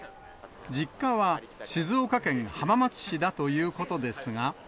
実家は静岡県浜松市だということですが。